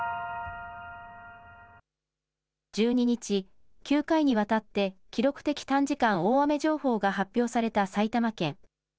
１２日、９回にわたって記録的短時間大雨情報が発表された埼玉県。